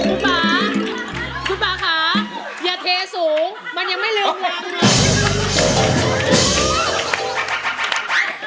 คุณป่าคุณป่าค่ะอย่าเทสูงมันยังไม่ลืมเลย